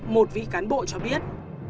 một vị cán bộ cho biết